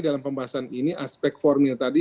dalam pembahasan ini aspek formil tadi